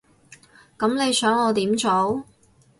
噉你想我點做？